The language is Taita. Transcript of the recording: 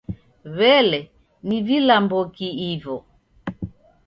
W'elee, ni vilamboki ivo?